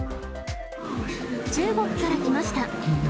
中国から来ました。